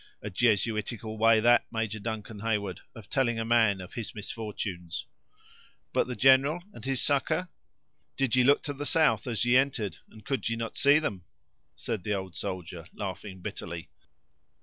A Jesuitical way that, Major Duncan Heyward, of telling a man of his misfortunes!" "But the general and his succor?" "Did ye look to the south as ye entered, and could ye not see them?" said the old soldier, laughing bitterly.